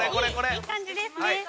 ◆いい感じですね。